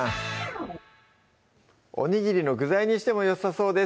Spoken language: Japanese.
おにぎりの具材にしてもよさそうです